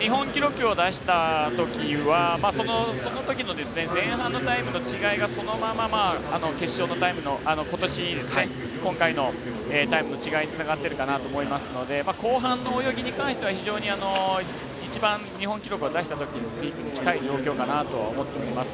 日本記録を出したときはそのときの前半のタイムの違いがそのまま決勝のタイムの今年、今回のタイムの違いにつながってるかなと思いますので後半の泳ぎに関しては非常に一番、日本記録を出したときに近い状況かなと思っています。